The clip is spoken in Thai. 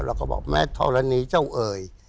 เราก็บอกแม่ธรณีเจ้าเอ่ย